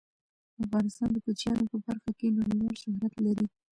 افغانستان د کوچیانو په برخه کې نړیوال شهرت لري.